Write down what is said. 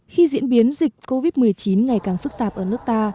khi diễn biến dịch covid một mươi chín ngày càng phức tạp ở nước ta